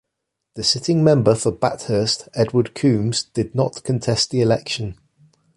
The sitting member for Bathurst Edward Combes did not contest the election.